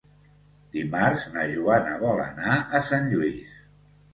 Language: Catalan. Dimarts na Joana vol anar a Sant Lluís.